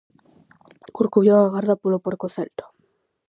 Corcubión agarda polo porco celta.